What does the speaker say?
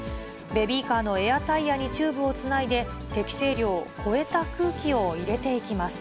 ベビーカーのエアタイヤにチューブをつないで、適正量を超えた空気を入れていきます。